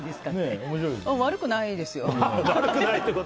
悪くないですよ。